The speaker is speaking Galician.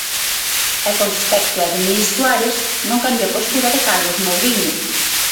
E con respecto a Denis Suárez, non cambia a postura de Carlos Mouriño.